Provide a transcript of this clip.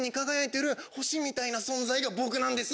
みたいな存在が僕なんです。